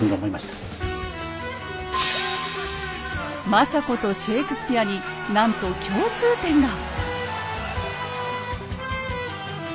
政子とシェークスピアになんと共通点が！